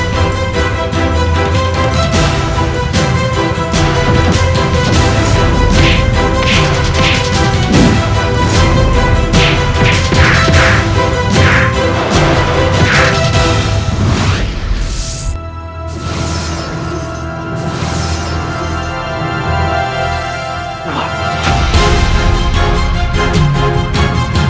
tolong aku putra gue